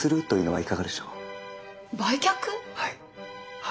はい。